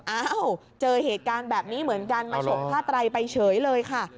อ้าวเจอเหตุการณ์แบบนี้เหมือนกันมาฉกผ้าไตรไปเฉยเลยค่ะ